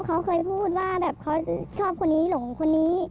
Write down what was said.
เขาเคยพูดว่าแบบเขาชอบคนนี้หลงคนนี้